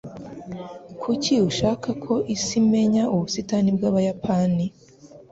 Kuki ushaka ko isi imenya ubusitani bwabayapani?